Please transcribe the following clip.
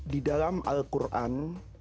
di dalam al quran